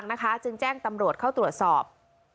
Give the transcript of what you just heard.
ที่ข้างทางนะคะจึงแจ้งตำรวจเข้าตรวจสอบ